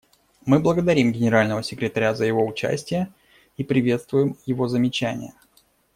Мы благодарим Генерального секретаря за его участие и приветствуем его замечания.